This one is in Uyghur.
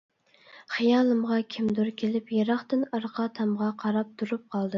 خىيالىمغا كىمدۇر كېلىپ، يىراقتىن ئارقا تامغا قاراپ تۇرۇپ قالدىم.